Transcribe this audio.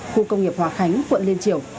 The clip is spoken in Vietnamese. khu công nghiệp hòa khánh quận lên triều